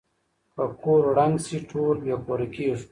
که کور ړنګ شي ټول بې کوره کيږو.